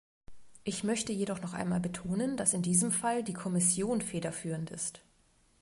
Ich möchte jedoch noch einmal betonen, dass in diesem Fall die Kommission federführend ist.